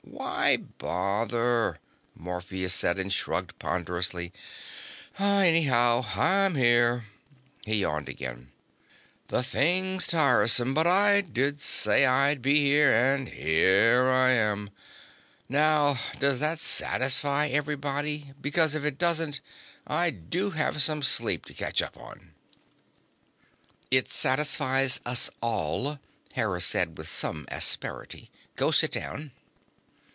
"Why bother?" Morpheus said, and shrugged ponderously. "Anyhow, I'm here." He yawned again. "The thing's tiresome, but I did say I'd be here, and here I am. Now, does that satisfy everybody? Because if it doesn't, I do have some sleep to catch up on." "It satisfies us all," Hera said with some asperity. "Go sit down."